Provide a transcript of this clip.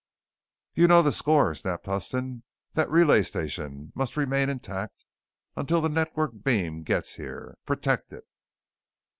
"You know the score!" snapped Huston. "That relay station must remain intact until the Network Beam gets here! Protect it!"